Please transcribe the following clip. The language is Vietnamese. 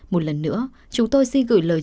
một lần nữa chúng tôi xin gửi lời